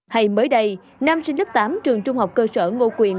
hay mới đây nam sinh lớp tám trường trung học cơ sở ngô quyền